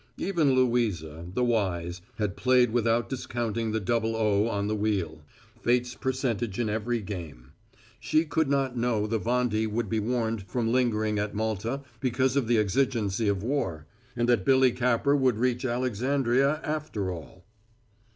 Even Louisa, the wise, had played without discounting the Double 0 on the wheel fate's percentage in every game; she could not know the Vendée would be warned from lingering at Malta because of the exigency of war, and that Billy Capper would reach Alexandria, after all.